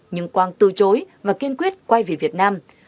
nhưng quang từ chối và kiên quyết quay về việt nam